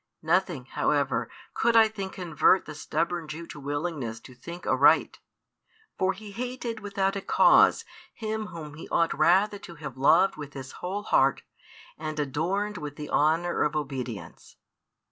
Nothing, however, could I think convert the stubborn Jew to willingness to think aright. For he hated without a cause Him Whom he ought rather to have loved with his whole heart and adorned with the honour of obedience.